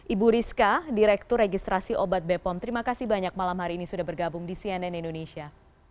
ibu rizka direktur registrasi obat bepom terima kasih banyak malam hari ini sudah bergabung di cnn indonesia